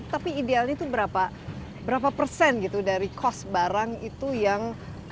tapi idealnya itu berapa persen gitu dari cost barang itu yang